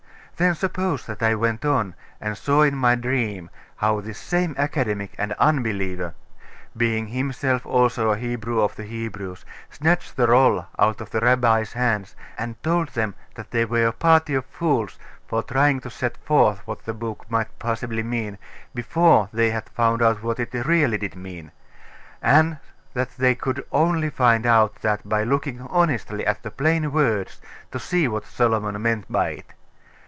Then suppose that I went on, and saw in my dream how this same academic and unbeliever, being himself also a Hebrew of the Hebrews, snatched the roll out of the rabbis' hands, and told them that they were a party of fools for trying to set forth what the book might possibly mean, before they had found out what it really did mean; and that they could only find out that by looking honestly at the plain words to see what Solomon meant by it.